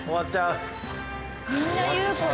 みんな言うこれ。